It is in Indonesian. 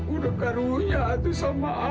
udah karunya aku sama a'a leha